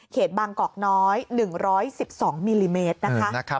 เขตบางกอกน้อย๑๑๒มิลลิเมตร